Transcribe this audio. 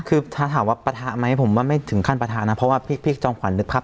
คือถ้าถามว่าปะทะไหมผมว่าไม่ถึงขั้นประทะนะเพราะว่าพี่จอมขวัญนึกภาพ